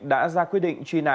đã ra quyết định truy nã tội phạm